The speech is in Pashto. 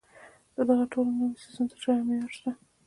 د دغو ټولو نويو څيزونو تر شا يو معيار شته.